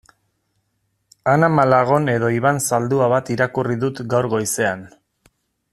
Ana Malagon edo Iban Zaldua bat irakurri dut gaur goizean.